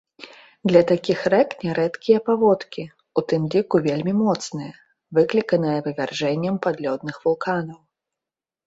Для такіх рэк нярэдкія паводкі, у тым ліку вельмі моцныя, выкліканыя вывяржэннем падлёдных вулканаў.